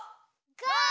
ゴー！